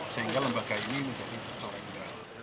sehingga lembaga ini menjadi tercoreng lagi